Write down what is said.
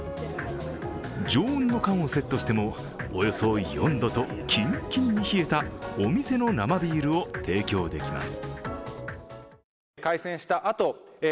常温の缶をセットしても、およそ４度とキンキンに冷えたお店の生ビールを提供できます。